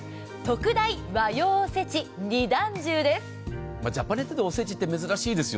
特大和洋おせち２段重です。